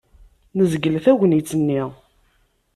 Nezgel tagnit-nni.